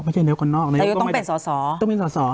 แต่ทีนี้ต้องเป็นสอ